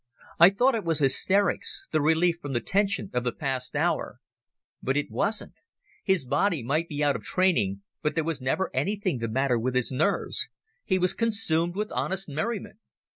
I thought it was hysterics, the relief from the tension of the past hour. But it wasn't. His body might be out of training, but there was never anything the matter with his nerves. He was consumed with honest merriment.